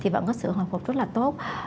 vẫn có sự hồi phục rất tốt